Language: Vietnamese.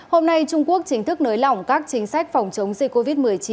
hôm nay trung quốc chính thức nới lỏng các chính sách phòng chống dịch covid một mươi chín